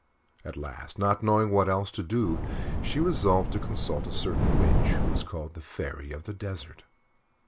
At last, not knowing what else to do, she resolved to consult a certain witch who was called "The Fairy of the Desert."